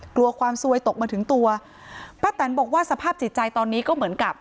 กลัวความซวยตกมาถึงตัวป้าแตนบอกว่าสภาพจิตใจตอนนี้ก็เหมือนกับ